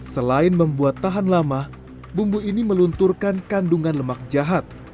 selain membuat tahan lama bumbu ini melunturkan kandungan lemak jahat